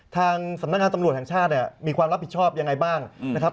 ทางสำนักงานตำรวจแห่งชาติเนี่ยมีความรับผิดชอบยังไงบ้างนะครับ